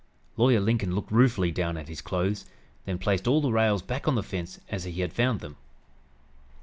Lawyer Lincoln looked ruefully down at his clothes, then placed all the rails back on the fence as he had found them.